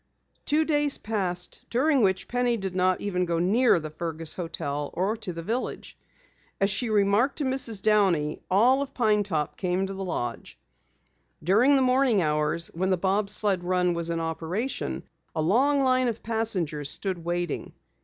Two days passed during which Penny did not even go near the Fergus hotel or to the village. As she remarked to Mrs. Downey, all of Pine Top came to the lodge. During the morning hours when the bob sled run was in operation, a long line of passengers stood waiting.